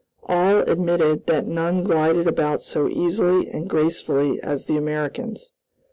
All admitted that none glided about so easily and gracefully as the Americans.